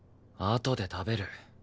あとで食べる。